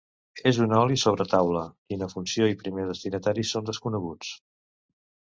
És un oli sobre taula, quina funció i primer destinatari són desconeguts.